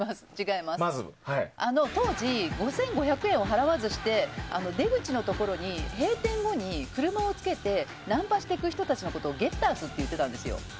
当時、５５００円を払わずして出口のところに閉店後に車をつけてナンパしてく人たちのことをゲッターズって呼んでたんですよ。